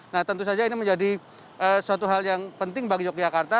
nah tentu saja ini menjadi suatu hal yang penting bagi yogyakarta